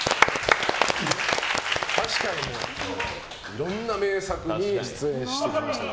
確かにいろんな名作に出演してきました。